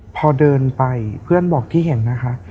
พอเดินไปเพื่อนบอกที่เห็นนะคะ